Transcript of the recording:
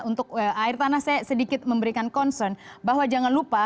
untuk air tanah saya sedikit memberikan concern bahwa jangan lupa